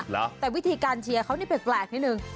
เหรอแต่วิธีการเชียร์เขานี่แปลกนิดนึง